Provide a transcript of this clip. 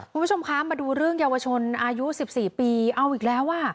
คุณผู้ชมคะมาดูเรื่องเยาวชนอายุ๑๔ปีเอาอีกแล้วอ่ะ